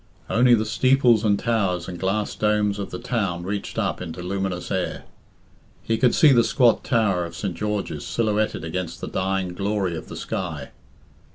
Only the steeples and towers and glass domes of the town reached up into luminous air. He could see the squat tower of St. George's silhouetted against the dying glory of the sky.